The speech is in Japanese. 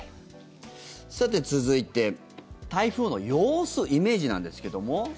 続いて台風の様子、イメージなんですけども。